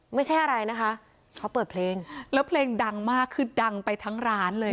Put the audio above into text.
ไม่ใช่อะไรนะคะเขาเปิดเพลงแล้วเพลงดังมากคือดังไปทั้งร้านเลย